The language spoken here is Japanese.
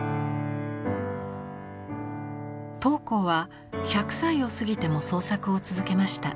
桃紅は１００歳を過ぎても創作を続けました。